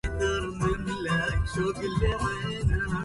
فَلَمْ يُقَرَّ عَلَيْهِ